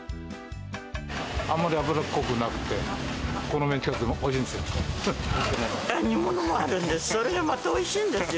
あまり油っこくなくて、このメンチカツ、おいしいんですよ。